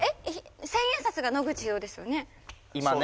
千円札が野口英世ですよね